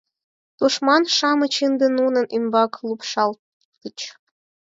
Тушман-шамыч ынде нунын ӱмбак лупшалтыч.